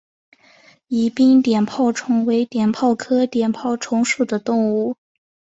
宜宾碘泡虫为碘泡科碘泡虫属的动物。